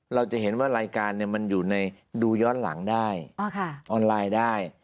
เราจะเห็นว่ารายการมันอยู่ในดูย้อนหลังได้ออนไลน์ได้